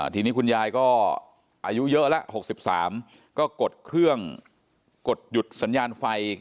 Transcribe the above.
ทีนี้คุณยายก็อายุเยอะแล้ว๖๓ก็กดเครื่องกดหยุดสัญญาณไฟ